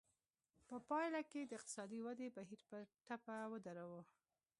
په پایله کې د اقتصادي ودې بهیر په ټپه ودراوه.